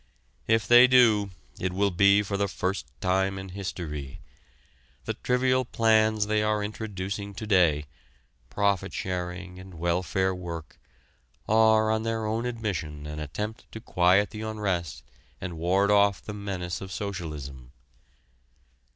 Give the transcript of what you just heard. If they do it will be for the first time in history. The trivial plans they are introducing to day profit sharing and welfare work are on their own admission an attempt to quiet the unrest and ward off the menace of socialism.